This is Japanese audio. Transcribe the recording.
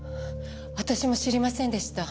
私も知りませんでした。